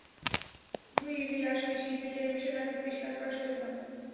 দুই ঈদেই আসলে শিল্পীরা টেলিভিশন নাটকে বেশি কাজ করার সুযোগ পান।